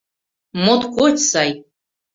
— Моткоч сай!